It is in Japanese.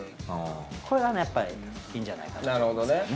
これがねやっぱいいんじゃないかと。